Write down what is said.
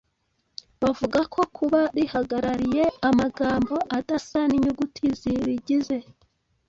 Bavuga ko kuba rihagarariye amagambo adasa n’inyuguti zirigize